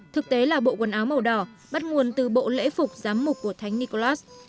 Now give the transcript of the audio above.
thực tế là bộ quần áo màu đỏ bắt nguồn từ bộ lễ phục giám mục của thánh niclas